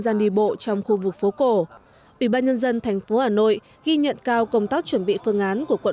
gian đi bộ trong khu vực phố cổ ubnd tp hà nội ghi nhận cao công tác chuẩn bị phương án của quận